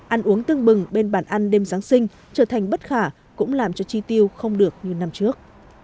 ăn uống tương bừng bên bàn ăn đêm giáng sinh trở thành bất khả cũng làm cho chi tiêu không được như năm trước